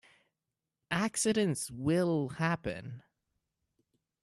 Accidents will happen.